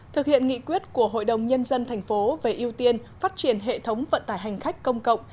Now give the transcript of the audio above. thực hiện nghị quyết của hội đồng nhân dân thành phố về ưu tiên phát triển hệ thống vận tải hành khách công cộng